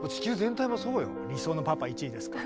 理想のパパ１位ですから。